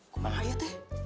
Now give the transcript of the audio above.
kumahai ya teh